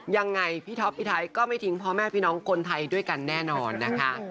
ยังไงพี่ท็อปพี่ไทยก็ไม่ทิ้งพ่อแม่พี่น้องคนไทยด้วยกันแน่นอนนะคะ